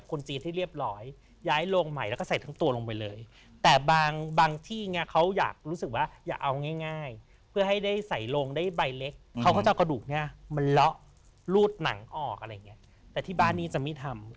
คือถ้าขึ้นมาเป็นขนาดนี้